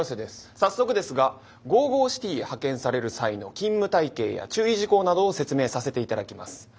早速ですがＧＯＧＯＣＩＴＹへ派遣される際の勤務体系や注意事項などを説明させて頂きます。